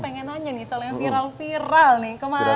nanya nih soalnya viral viral nih kemarin ini soal waktu sempet bang bobi